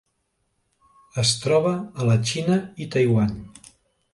Es troba a la Xina i Taiwan.